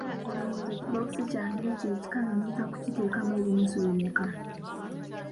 Olowooza ekibookisi kyange ekyo ekikalu nnyinza kukiteekamu ebinusu bimeka?